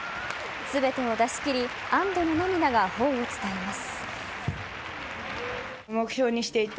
全てを出し切り、安堵の涙が頬を伝います。